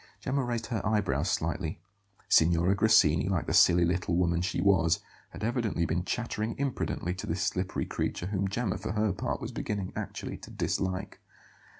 Gemma raised her eyebrows slightly. Signora Grassini, like the silly little woman she was, had evidently been chattering imprudently to this slippery creature, whom Gemma, for her part, was beginning actually to dislike.